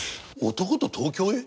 男と東京へ？